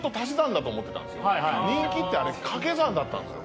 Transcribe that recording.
人気ってあれ掛け算だったんですよ。